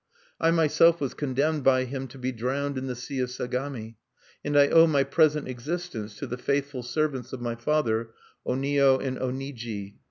"I myself was condemned by him to be drowned in the sea of Sagami. And I owe my present existence to the faithful servants of my father, Onio and Oniji."